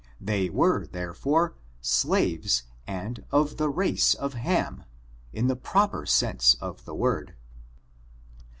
They were, therefore, slaves and of the race of Ham, in the proper sense of the word.